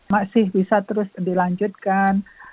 masih bisa terus dilanjutkan